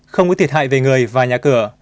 không có thiệt hại về người và nhà cửa